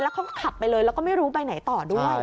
เขาขับไปเลยแล้วก็ไม่รู้ไปไหนต่อด้วย